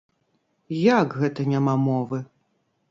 Як гэта няма мовы?!